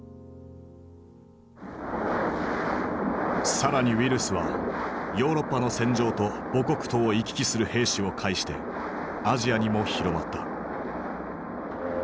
更にウイルスはヨーロッパの戦場と母国とを行き来する兵士を介してアジアにも広まった。